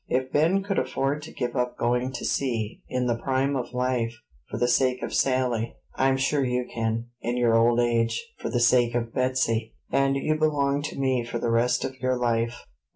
If Ben could afford to give up going to sea, in the prime of life, for the sake of Sally, I'm sure you can, in your old age, for the sake of Betsey; and you belong to me for the rest of your life."